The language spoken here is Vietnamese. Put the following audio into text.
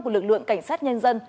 của lực lượng cảnh sát nhân dân